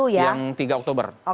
yang tiga oktober